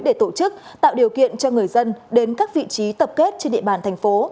để tổ chức tạo điều kiện cho người dân đến các vị trí tập kết trên địa bàn thành phố